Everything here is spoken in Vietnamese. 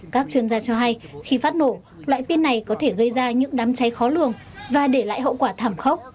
các chuyên gia cho hay khi phát nổ loại pin này có thể gây ra những đám cháy khó lường và để lại hậu quả thảm khốc